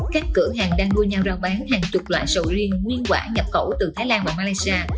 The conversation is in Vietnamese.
các cửa hàng đang đua nhau rao bán hàng chục loại sầu riêng nguyên quả nhập khẩu từ thái lan và malaysia